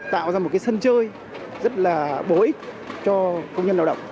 tạo ra một cái sân chơi rất là bối cho công nhân lao động